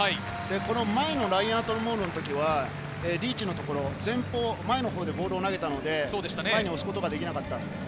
この前のラインアウトモールの時はリーチのところ、前のほうでボールを投げたので、前に押すことができなかったんです。